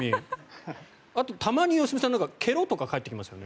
あとたまに良純さん「けろ」とか返ってきますよね。